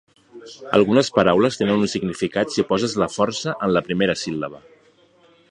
Algunes paraules tenen un significat si poses la força en la primera síl·laba.